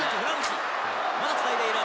まだつないでいる。